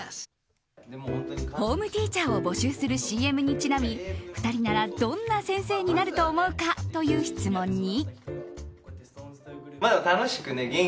ホームティーチャーを募集するＣＭにちなみ２人ならどんな先生になると思うかという質問に。